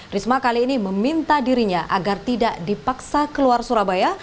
risma kali ini meminta dirinya agar tidak dipaksa keluar surabaya